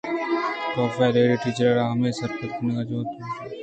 کاف ءَ لیڈی ٹیچر ءَرا ہمے سر پد کنگ ءِ جہد کُت کہ پِشّی مئے گندگ